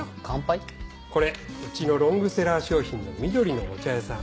これうちのロングセラー商品の「緑のお茶屋さん」。